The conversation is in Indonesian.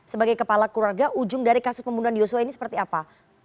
sebagai kepala keluarga ujung dari kasus pembunuhan yosua ini seperti apa